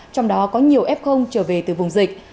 trong đó có nhiều f trở về từ vùng dịch